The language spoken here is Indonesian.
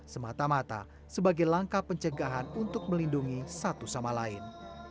semata mata sebagai langkah pencegahan untuk melindungi satu sama lain